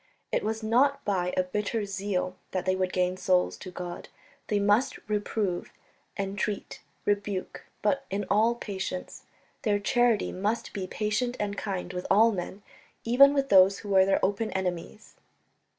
It was not by a bitter zeal that they would gain souls to God; they must reprove, entreat, rebuke, but in all patience; their charity must be patient and kind with all men, even with those who were their open enemies.